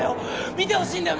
見てほしいんだよ！